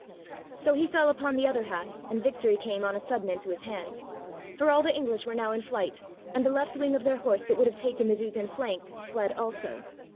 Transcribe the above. So he fell upon the other half and victory came on a sudden into his hands; for all the English were now in flight and the left wing of their horse that would have taken the Duke in flank fled also.